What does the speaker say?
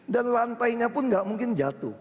dan lantainya pun tidak mungkin jatuh